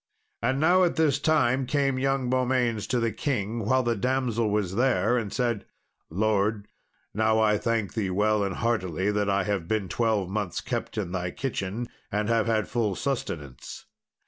And now at this time came young Beaumains to the king, while the damsel was there, and said, "Lord, now I thank thee well and heartily that I have been twelve months kept in thy kitchen, and have had full sustenance.